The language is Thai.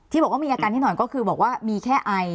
บอกว่ามีอาการนิดหน่อยก็คือบอกว่ามีแค่ไอ